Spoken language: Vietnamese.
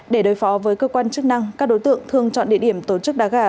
để đối phó với cơ quan chức năng các đối tượng thường chọn địa điểm tổ chức đá gà